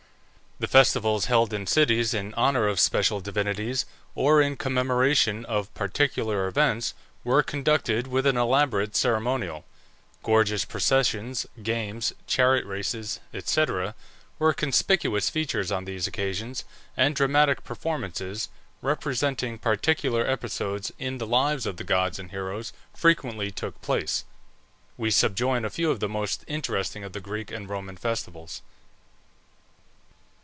The festivals held in cities in honour of special divinities, or in commemoration of particular events, were conducted with an elaborate ceremonial. Gorgeous processions, games, chariot races, &c., were conspicuous features on these occasions, and dramatic performances, representing particular episodes in the lives of the gods and heroes, frequently took place. We subjoin a few of the most interesting of the Greek and Roman festivals.